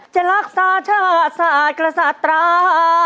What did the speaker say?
จะรักษาชาติศาสตร์กระสาตรา